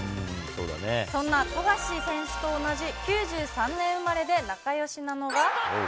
そんな富樫選手と同じ９３年生まれで仲よしなのが。